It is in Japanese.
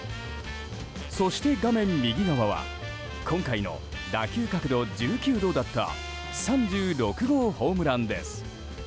そして画面右側は今回の打球角度１９度だった３６号ホームランです。